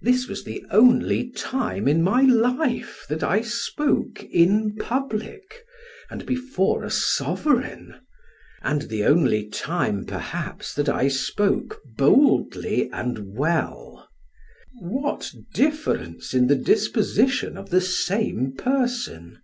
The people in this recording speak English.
This was the only time in my life that I spoke in public, and before a sovereign; and the only time, perhaps, that I spoke boldly and well. What difference in the disposition of the same person.